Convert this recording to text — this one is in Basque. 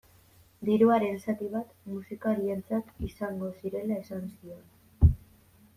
Diruaren zati bat musikarientzat izango zirela esan zion.